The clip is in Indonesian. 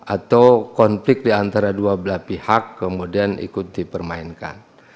atau konflik diantara dua belah pihak kemudian ikut dipermainkan